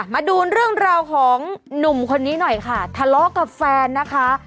มาดูเรื่องราวของหนุ่มคนนี้หน่อยค่ะทะเลาะกับแฟนนะคะ